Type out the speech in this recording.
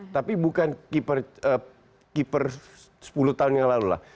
tapi bukan keeper sepuluh tahun yang lalu lah